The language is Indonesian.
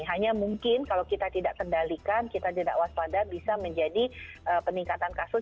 hanya mungkin kalau kita tidak kendalikan kita tidak waspada bisa menjadi peningkatan kasus